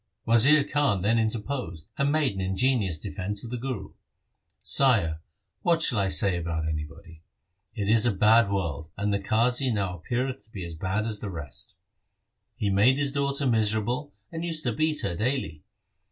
Wazir Khan then interposed and made an inge nious defence of the Guru. ' Sire, what shall I say about anybody ? It is a bad world, and the Qazi now appeareth to be as bad as the rest. He made his daughter miserable and used to beat her daily.